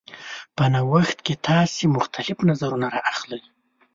په نوښت کې تاسو مختلف نظرونه راخلئ.